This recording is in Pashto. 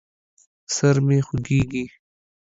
سر مې خوږېږي.